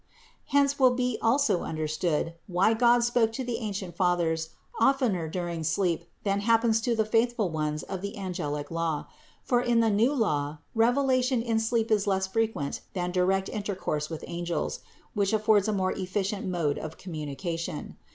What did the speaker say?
401. Hence will be also understood, why God spoke to the ancient Fathers oftener during sleep than happens to the faithful ones of the evangelical law; for in the new law revelation in sleep is less frequent than direct intercourse with angels, which affords a more efficient mode of communication.